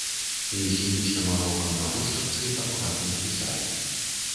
І хімічным алоўкам на дошчачцы акуратна напісалі.